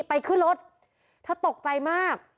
ไปขึ้นรถเธอตกใจมาก